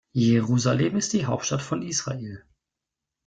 Jerusalem ist die Hauptstadt von Israel.